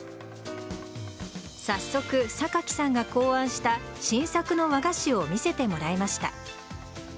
早速、榊さんが考案した新作の和菓子を見せてもらいました。